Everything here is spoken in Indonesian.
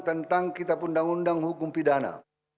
tentang kitab undang undang hukum pidana